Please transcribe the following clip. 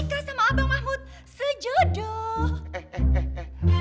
tika sama abang mahmud sejodoh